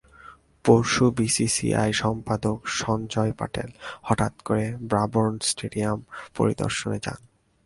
পরশু বিসিসিআই সম্পাদক সঞ্জয় প্যাটেল হঠাৎ করেই ব্রাবোর্ন স্টেডিয়াম পরিদর্শনে যান।